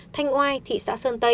thanh oai thị xã sơn tây